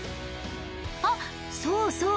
あっそうそう。